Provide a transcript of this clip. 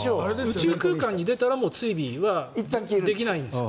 宇宙空間に出たら追尾はできないんですか？